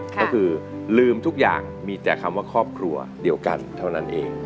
ก็คือลืมทุกอย่างมีแต่คำว่าครอบครัวเดียวกันเท่านั้นเอง